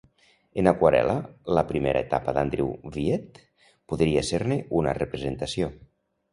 En aquarel·la, la primera etapa d'Andrew Wyeth podria ser-ne una representació.